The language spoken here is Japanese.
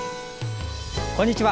こんにちは。